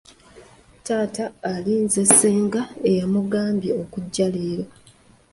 Taata alinze ssenga eyamugambye okujja leero.